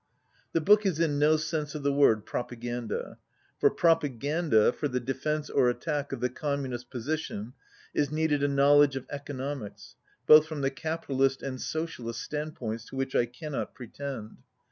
The book is in no sense of the word propa ganda. For propaganda, for the defence or at tack of the Communist position, is needed a knowl edge of economics, both from the capitalist and socialist standpoints, to which I cannot pretend.